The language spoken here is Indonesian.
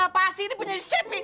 pasti ini punya shepi